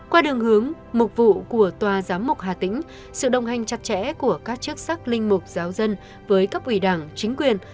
qua đường hướng mục vụ của tòa giám mục hà tĩnh sự đồng hành chặt chẽ của các chức sắc linh mục giáo dân với cấp ủy đảng chính quyền